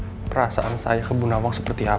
tapi kamu tau kan perasaan saya ke bu nawang seperti apa